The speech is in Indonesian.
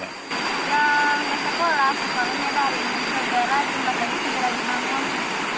ya sekolah sekolah ini dari segera di bangun